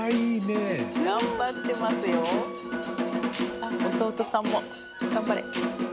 あっ弟さんも頑張れ。